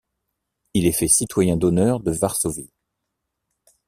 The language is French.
Il est fait citoyen d'honneur de Varsovie.